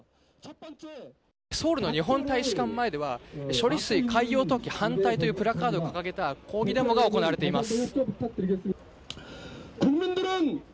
ソウルの日本大使館前では処理水海洋投棄反対と書かれたプラカードを掲げた抗議デモが行われています。